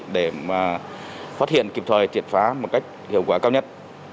để mà phát hiện kịp thời triệt phá một cách hiệu quả cao nhất